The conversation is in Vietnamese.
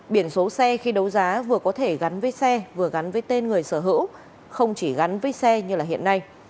biển số xe khi đấu giá vừa có thể gắn với xe vừa gắn với tên người sở hữu không chỉ gắn với xe như hiện nay